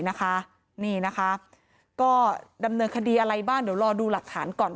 นี่นะคะก็ดำเนินคดีอะไรบ้างเดี๋ยวรอดูหลักฐานก่อน